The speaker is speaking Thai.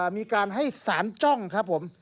มีการให้สารจ้องครับผม